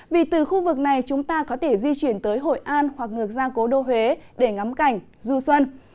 vì từ khu vực này chúng ta có thể di chuyển tới hội an hoặc ngược ra cố đô huế để ngắm cảnh du xuân